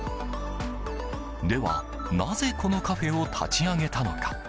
では、なぜこのカフェを立ち上げたのか。